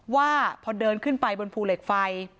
ว่าพอเดินขึ้นไปบนภูเหล็กไฟ